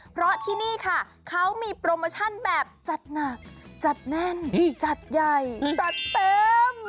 เพราะที่นี่ค่ะเขามีโปรโมชั่นแบบจัดหนักจัดแน่นจัดใหญ่จัดเต็ม